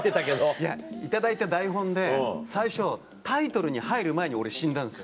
いや頂いた台本で最初タイトルに入る前に俺死んだんですよ。